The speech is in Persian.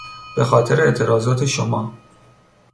به خاطر اعتراضات شما...